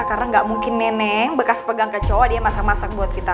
karena gak mungkin neneng bekas pegang ke cowok dia masak masak buat kita